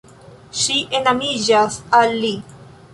Ŝi enamiĝas al li.